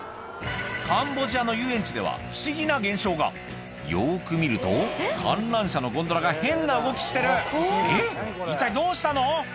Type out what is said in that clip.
カンボジアの遊園地では不思議な現象がよく見ると観覧車のゴンドラが変な動きしてるえっ一体どうしたの？